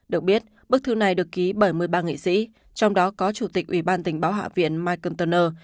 được biết bức thư này được ký bảy mươi ba nghị sĩ trong đó có chủ tịch ubnd hạ viện michael turner